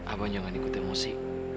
abang jangan ikut emosi